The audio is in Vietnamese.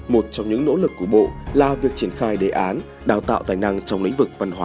một trong những nỗ lực của bộ là việc triển khai đề án đào tạo tài năng trong lĩnh vực văn hóa